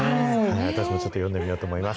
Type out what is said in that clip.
私もちょっと読んでみようと思います。